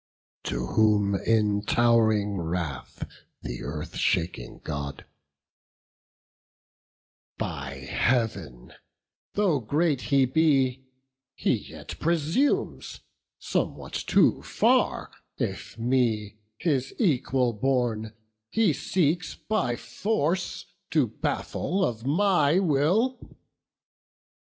To whom in tow'ring wrath th' Earth shaking God: "By Heav'n, though great he be, he yet presumes Somewhat too far, if me, his equal born, He seeks by force to baffle of my will.